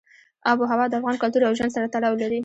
آب وهوا د افغان کلتور او ژوند سره تړاو لري.